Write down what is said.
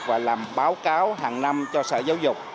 và làm báo cáo hàng năm cho sở giáo dục